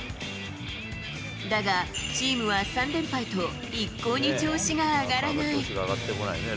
だが、チームは３連敗と、一向に調子が上がらない。